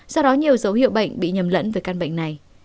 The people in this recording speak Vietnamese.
do đó nhiều dấu hiệu bệnh bị nhầm lẫn về căn bệnh này